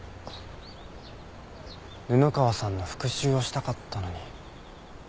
布川さんの復讐をしたかったのに。